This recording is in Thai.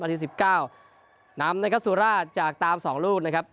นาทีสิบเก้านำนะครับสุราชจากตามสองลูกนะครับ